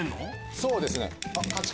そうですね。